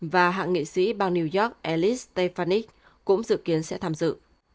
và hạng nghị sĩ bang new york ellis stefanik cũng dự kiến sẽ tham dự